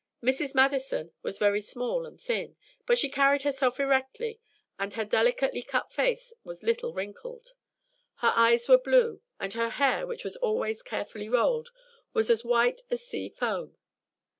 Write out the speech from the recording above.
Mrs. Madison was very small and thin; but she carried herself erectly and her delicately cut face was little wrinkled. Her eyes were blue, and her hair, which was always carefully rolled, was as white as sea foam.